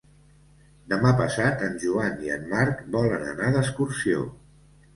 Demà passat en Joan i en Marc volen anar d'excursió.